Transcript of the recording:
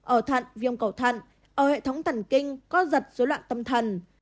ở thận viêm cầu thận ở hệ thống thần kinh co giật dối loạn tâm thần